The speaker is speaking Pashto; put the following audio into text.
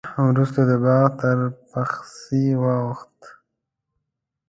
وروسته د باغ تر پخڅې واوښت.